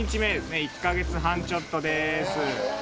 １か月半ちょっとです。